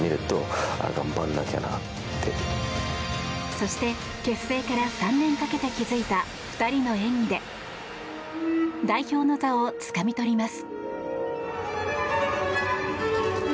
そして、結成から３年かけて築いた２人の演技で代表の座をつかみ取ります。